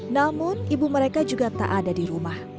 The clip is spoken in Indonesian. namun ibu mereka juga tak ada di rumah